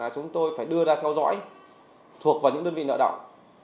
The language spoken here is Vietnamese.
chúng tôi phải đưa ra theo dõi thuộc vào những đơn vị nợ động